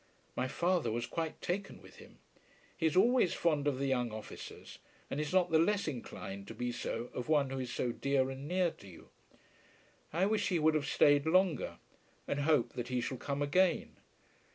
My father was quite taken with him. He is always fond of the young officers, and is not the less inclined to be so of one who is so dear and near to you. I wish he would have stayed longer, and hope that he shall come again.